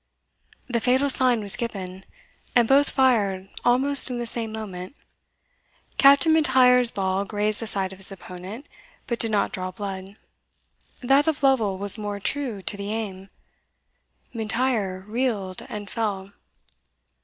The fatal sign was given, and both fired almost in the same moment. Captain M'Intyre's ball grazed the side of his opponent, but did not draw blood. That of Lovel was more true to the aim; M'Intyre reeled and fell.